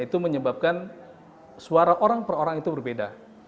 itu menyebabkan suara orang per orang itu berbeda